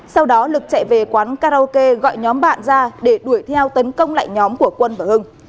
sau đó lực chạy về quán karaoke gọi nhóm bạn ra để đuổi theo tấn công lại nhóm của quân và hưng